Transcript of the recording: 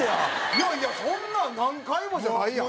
いやいやそんな何回もじゃないやん！